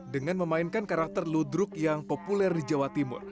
dengan memainkan karakter ludruk yang populer di jawa timur